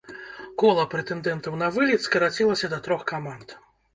Кола прэтэндэнтаў на вылет скарацілася да трох каманд.